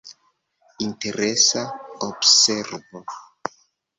Interesa observo.